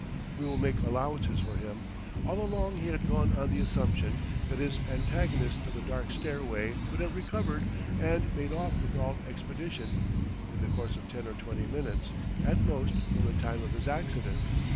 We will make allowances for him; all along he had gone on the assumption that his antagonist of the dark stairway would have recovered and made off with all expedition, in the course of ten or twenty minutes, at most, from the time of his accident.